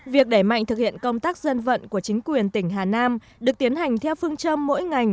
việc đẩy mạnh thực hiện công tác dân vận của chính quyền tỉnh hà nam được tiến hành theo phương châm mỗi ngành